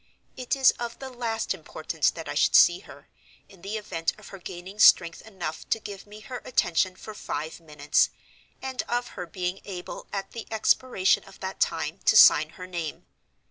It is of the last importance that I should see her, in the event of her gaining strength enough to give me her attention for five minutes, and of her being able at the expiration of that time to sign her name.